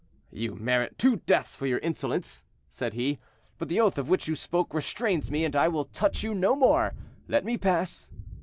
"You merit two deaths for your insolence," said he, "but the oath of which you spoke restrains me, and I will touch you no more; let me pass.